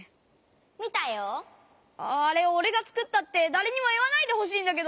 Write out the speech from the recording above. あれおれがつくったってだれにもいわないでほしいんだけど！